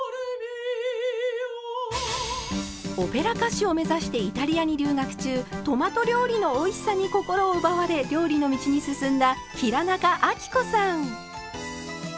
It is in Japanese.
オペラ歌手を目指してイタリアに留学中トマト料理のおいしさに心を奪われ料理の道に進んだ平仲亜貴子さん。